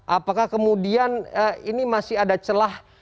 apakah kemudian ini masih ada celah